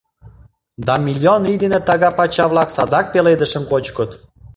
Да миллион ий дене тага пача-влак садак пеледышым кочкыт.